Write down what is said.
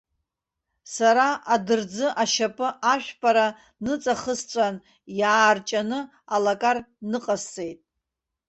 Сара адырӡы ашьапы ашәпара ныҵахысҵәан, иаарҷаны, алакар ныҟасҵеит.